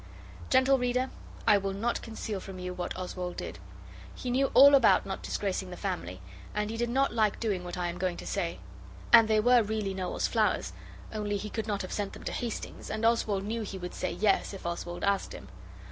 Gentle reader, I will not conceal from you what Oswald did. He knew all about not disgracing the family, and he did not like doing what I am going to say: and they were really Noel's flowers, only he could not have sent them to Hastings, and Oswald knew he would say 'Yes' if Oswald asked him.